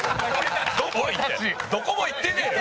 どこも行ってねえよ。